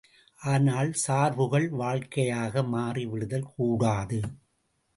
ஆனால், சார்புகள் வாழ்க்கையாக மாறி விடுதல் கூடாது.